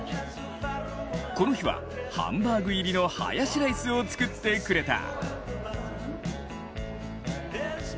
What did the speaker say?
この日は、ハンバーグ入りのハヤシライスを作ってくれた。